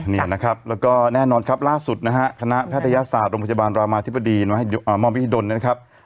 นี่นะครับแล้วก็แน่นอนครับล่าสุดนะฮะ